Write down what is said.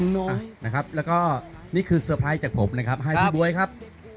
นะครับแล้วก็นี่คือจากผมนะครับครับพี่บ๊วยครับ